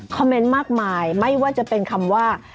เมนต์มากมายไม่ว่าจะเป็นคำว่า